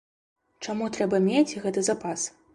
Чаму трэба мець гэты запас?